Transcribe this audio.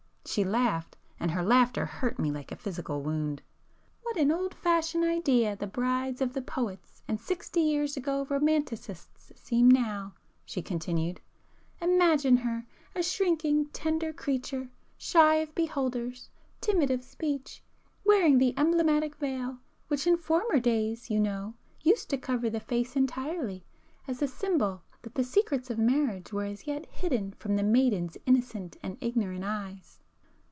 She laughed, and her laughter hurt me like a physical wound. "What an old fashioned idea the bride of the poets and sixty years ago romancists seems now!" she continued—"Imagine her!—a shrinking tender creature, shy of beholders, timid of speech, ... wearing the emblematic veil, which in former days, you know, used to cover the face entirely, as a symbol that the secrets of marriage were as yet hidden from the maiden's innocent and ignorant eyes.